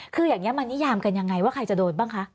คืออย่างนี้มันนิยามกันยังไงว่าใครจะโดนบ้างคะ